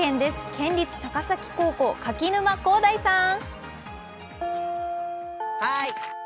県立高崎高校柿沼広大さん。